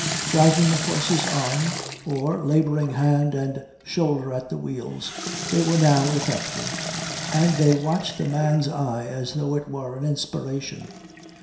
Dragging the horses on, or labouring hand and shoulder at the wheels, they were now effective, and they watched the man's eye as though it were an inspiration.